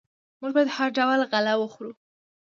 موږ باید هر ډول غله وخورو.